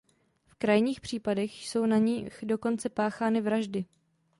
V krajních případech jsou na nich dokonce páchány vraždy.